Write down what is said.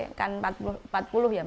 empat puluh lima gitu kan